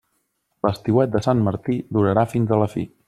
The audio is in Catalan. L'estiuet de sant Martí durarà fins a la fi.